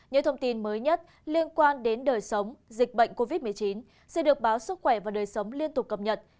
những thông tin mới nhất liên quan đến đời sống dịch bệnh covid một mươi chín sẽ được báo sức khỏe và đời sống liên tục cập nhật